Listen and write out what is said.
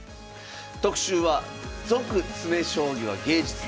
特集は「続・詰将棋は芸術だ！」。